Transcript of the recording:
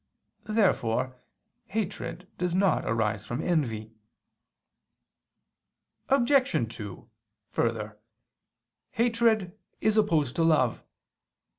Therefore hatred does not arise from envy. Obj. 2: Further, hatred is opposed to love.